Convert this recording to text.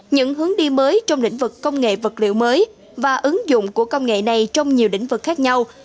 những hướng đi mới trong lĩnh vực công nghệ vật liệu mới và ứng dụng của công nghệ này trong nhiều lĩnh vực khác nhau